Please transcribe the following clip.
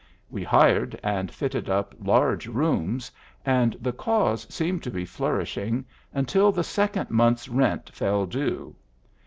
We hired and fitted up large rooms, and the cause seemed to be flourishing until the second month's rent fell due.